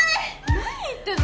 何言ってんの？